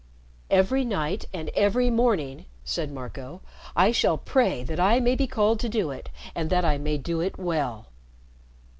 "Every night and every morning," said Marco, "I shall pray that I may be called to do it, and that I may do it well."